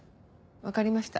わかりました。